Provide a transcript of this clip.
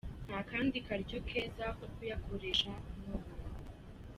Nta kandi karyo keza ko kuyakoresha nk'ubu.